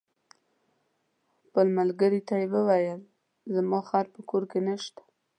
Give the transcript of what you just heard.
خپل ملګري ته یې وویل: زما خر په کور کې نشته.